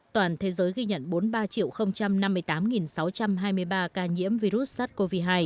toàn thế giới ghi nhận bốn mươi ba năm mươi tám sáu trăm hai mươi ba ca nhiễm virus sars cov hai